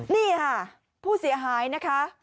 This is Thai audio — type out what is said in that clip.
นี่ค่ะผู้เสียหายนะคะ